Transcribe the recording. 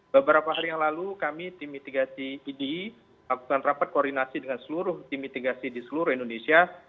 beberapa hari yang lalu kami tim mitigasi idi lakukan rapat koordinasi dengan seluruh tim mitigasi di seluruh indonesia